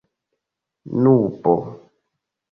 nubo